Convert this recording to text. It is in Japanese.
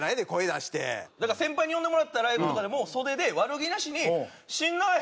だから先輩に呼んでもらったライブとかでも袖で悪気なしに「しんどい！